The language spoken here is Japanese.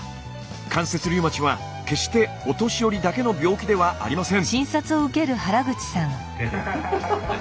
関節リウマチは決してお年寄りだけの病気ではありません。